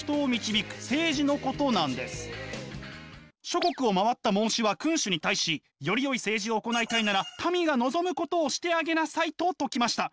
諸国を回った孟子は君主に対し「よりよい政治を行いたいなら民が望むことをしてあげなさい」と説きました。